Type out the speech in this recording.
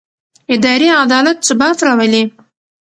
اداري عدالت ثبات راولي